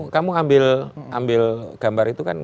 kamu ambil gambar itu kan